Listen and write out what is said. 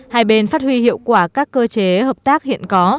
hai bên phát huy hiệu quả các cơ chế hợp tác hiện có